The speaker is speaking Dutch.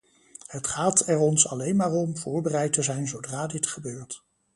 Het gaat er ons alleen maar om voorbereid te zijn zodra dit gebeurt.